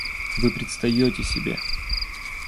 Вы предстаете себе!